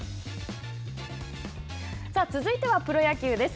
さあ、続いてはプロ野球です。